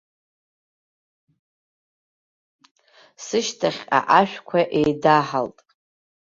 Сышьҭахьҟа ашәқәа еидаҳалт.